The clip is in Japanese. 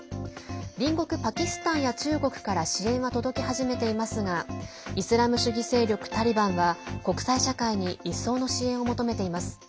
隣国パキスタンや中国から支援は届き始めていますがイスラム主義勢力タリバンは国際社会に一層の支援を求めています。